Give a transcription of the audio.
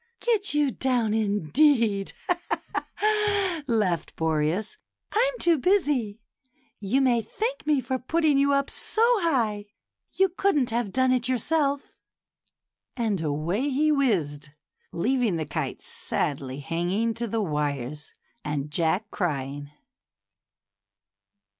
" Get you down, indeed," laughed Boreas. " I'm too busy. You may thank me for putting you up so high; you couldn't have done it yourself ;" and away he A WINDY STORY. 89 whizzed, leaving the kite sadly hanging to the wires, and Jack crying.